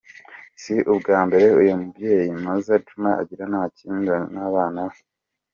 Si ubwa mbere uyu mubyeyi Mzee Juma agirana amakimbirane n’abana be.